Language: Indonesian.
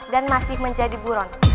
dan masih menjadi buron